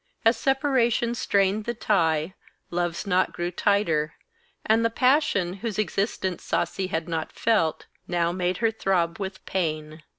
As separation strained the tie, love's knot grew tighter, and the passion, whose existence Sasi had not felt, now made her throb with pain.